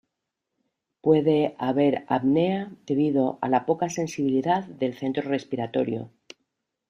Puede haber apnea debido a la poca sensibilidad del centro respiratorio.